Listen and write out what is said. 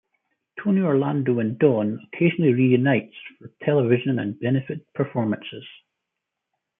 Tony Orlando and Dawn occasionally reunites for television and benefit performances.